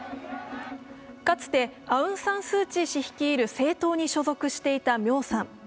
かつてアウン・サン・スー・チー氏率いる政党に所属していたミョーさん。